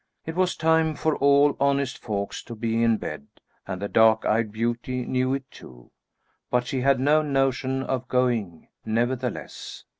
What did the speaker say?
It was time for all honest folks to be in bed, and the dark eyed beauty knew it too, but she had no notion of going, nevertheless.